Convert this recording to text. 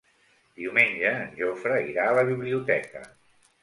Diumenge en Jofre irà a la biblioteca.